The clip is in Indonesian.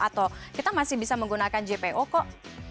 atau kita masih bisa menggunakan jpo kok